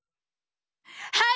はい！